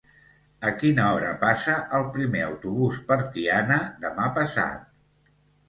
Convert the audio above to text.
A quina hora passa el primer autobús per Tiana demà passat?